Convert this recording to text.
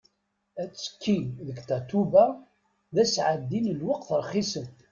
Atekki deg Tatoeba d asεeddi n lweqt rxisen.